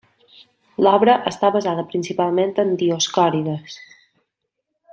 L’obra està basada principalment en Dioscòrides.